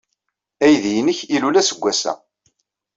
Aydi-nnek ilul aseggas-a.